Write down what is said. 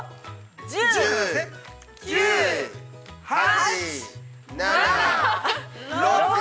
１０、９、８、７、６